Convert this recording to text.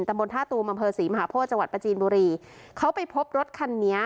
บนท่าตูมอำเภอศรีมหาโพธิจังหวัดประจีนบุรีเขาไปพบรถคันนี้